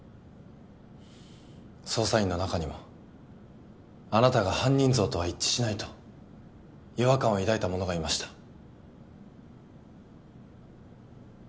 捜査員の中にもあなたが犯人像とは一致しないと違和感を抱いた者がいました。